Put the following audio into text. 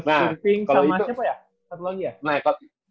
sifting sama si apa ya satu lagi ya nah kalau itu